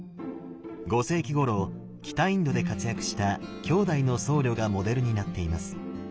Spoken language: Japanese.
５世紀ごろ北インドで活躍した兄弟の僧侶がモデルになっています。